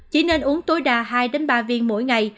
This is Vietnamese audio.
chỉ nên uống tối đa hai ba viên mỗi ngày